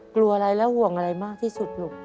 กลัวอะไรแล้วห่วงอะไรมากที่สุดลูก